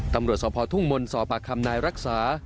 ตำรวจสภทุ่งมนต์สอบปากคำนายรักษา